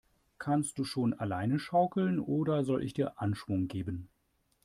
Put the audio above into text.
Kannst du schon alleine schaukeln, oder soll ich dir Anschwung geben?